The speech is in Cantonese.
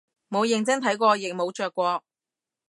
冇認真睇過亦冇着過